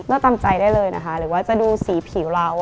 เราตามใจได้เลยหรือว่าจะดูสีผิวเรา